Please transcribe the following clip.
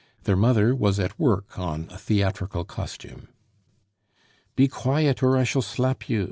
Their mother was at work on a theatrical costume. "Be quiet! or I shall slap you!"